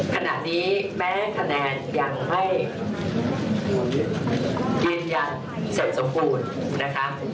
ขณะนี้แม้คะแนนยังไม่ยืนยันเสร็จสมบูรณ์นะคะ